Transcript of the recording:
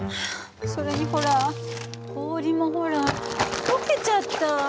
それにほら氷もほら解けちゃった！